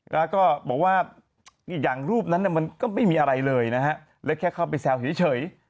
แล้วก็บอกว่าอีกอย่างรูปนั้นมันก็ไม่มีอะไรเลยนะฮะและแค่เข้าไปแซวเฉย